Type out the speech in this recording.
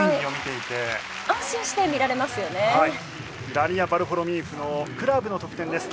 ダリア・ヴァルフォロミーフのクラブの得点です。